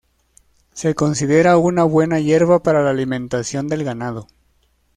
Se considera una buena hierba para la alimentación del ganado.